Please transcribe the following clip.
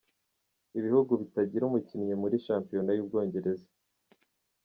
Ibihugu bitagira umukinnyi muri shampiyona y’u Bwongereza.